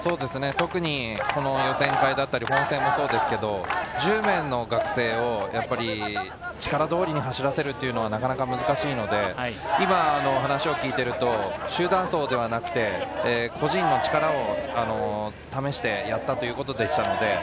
特に予選会や本戦もそうですが、１０名の学生を力通りに走らせるというのは難しいので今、話を聞いていると集団走ではなくて、個人の力を試してやったということでした。